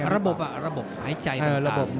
ระบบหายใจของการ